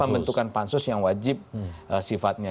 pembentukan pansus yang wajib sifatnya